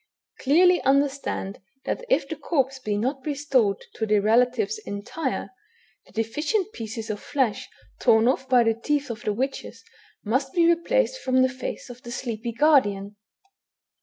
Clearly understand, that if the corpse be not restored to the relatives entire, the deficient pieces of flesh torn oflf by the teeth of the witches must be replaced from the face of the sleepy guardian."